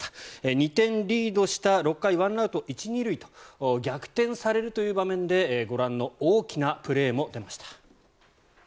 ２点リードした６回、１アウト１・２塁という逆転されるという場面でご覧の大きなプレーも出ました。